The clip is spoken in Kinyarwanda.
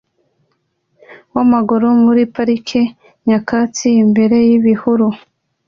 wamaguru muri parike nyakatsi imbere yibihuru